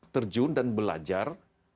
terjun dan belajar